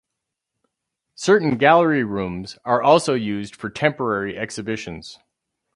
Certain gallery rooms are also used for temporary exhibitions.